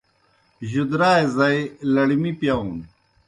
جُدرائے زائی لڑمی پِیاؤن